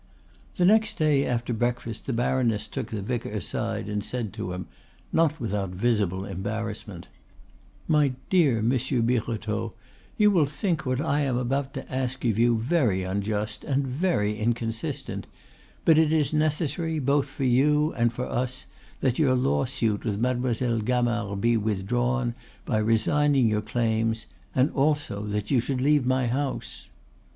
The next day after breakfast the baroness took the vicar aside and said to him, not without visible embarrassment: "My dear Monsieur Birotteau, you will think what I am about to ask of you very unjust and very inconsistent; but it is necessary, both for you and for us, that your lawsuit with Mademoiselle Gamard be withdrawn by resigning your claims, and also that you should leave my house."